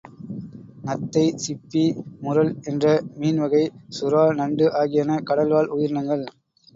நத்தை, சிப்பி, முறள் என்ற மீன் வகை, சுறா, நண்டு ஆகியன கடல்வாழ் உயிரினங்கள்.